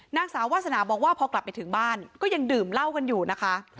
นางสาววาสนาบอกว่าพอกลับไปถึงบ้านก็ยังดื่มเหล้ากันอยู่นะคะ